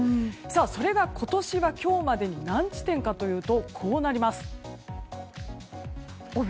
それが今年今日までに何地点かというと少なく。